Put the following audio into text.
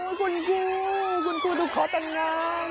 คุณครูคุณครูถูกขอแต่งงาน